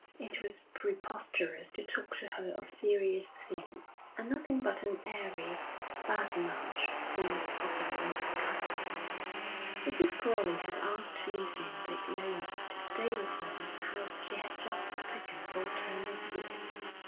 It was preposterous to talk to her of serious things, and nothing but an airy badinage seemed possible in her company. Mrs. Crowley had asked Lucy and Dick Lomas to stay with her in the house she had just taken for a term of years.